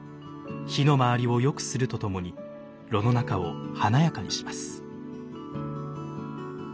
火の回りをよくするとともに炉の中を華やかにします。